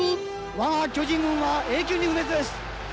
我が巨人軍は永久に不滅です。